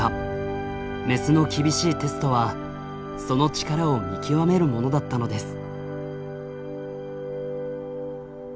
メスの厳しいテストはその力を見極めるものだったのです。